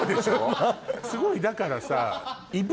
すごいだからさ。